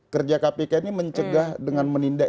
kerja kpk ini mencegah dengan menindak